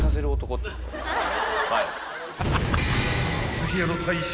［すし屋の大将